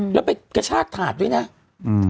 และเป็นกระชากถาดด้วยนะอือ